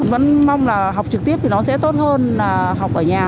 vẫn mong là học trực tiếp thì nó sẽ tốt hơn là học ở nhà